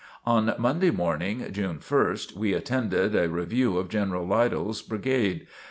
On Monday morning, (June 1st), we attended a review of General Liddell's brigade.